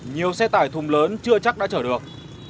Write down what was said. nhiều xe tải thùng lớn chưa chắc đã chở được